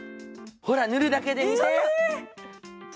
ほら、塗るだけで、見て！